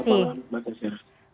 selamat malam mbak syasha